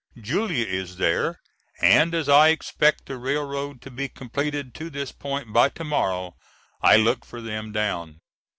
Julia is there and as I expect the railroad to be completed to this point by to morrow I look for them down.